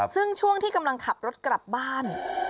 ซึ่งช่วงที่กำลังขับรถกลับบ้าน